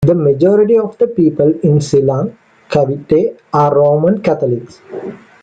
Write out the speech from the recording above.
The majority of the people in Silang, Cavite are Roman Catholics.